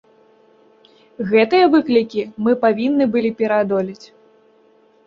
Гэтыя выклікі мы павінны былі пераадолець.